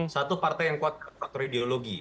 satu partai yang kuat faktor ideologi